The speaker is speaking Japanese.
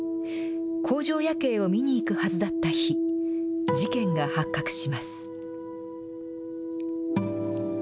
工場夜景を見に行くはずだった日、事件が発覚します。